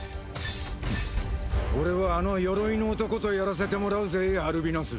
俺はあの鎧の男とやらせてもらうぜアルビナス。